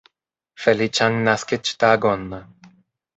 Feliĉan naskiĝtagon!